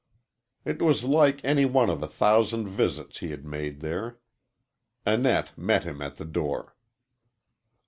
It was like any one of a thousand visits he had made there. Annette met him at the door.